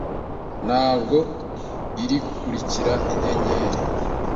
Ntabwo ikurikira inyenyeri